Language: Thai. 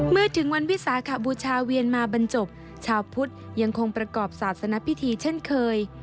เมื่อถึงวันวิสาขบูชาเวียนมาบรรจบชาวพุทธยังคงประกอบศาสนพิธีเช่นเคย